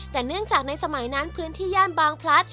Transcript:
แต่เนื่องจากในสมัยนั้นพื้นที่ย่านบางพลัด